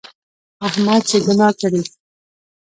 احمد چې ګناه کړي،